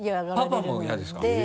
パパも嫌ですか？